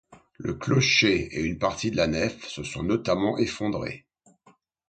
Le clocher et une partie de la nef se sont notamment effondrés.